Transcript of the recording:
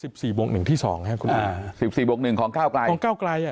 ๑๔บวก๑ที่๒ครับคุณอาจารย์๑๔บวก๑ของก้าวกลัยของก้าวกลัย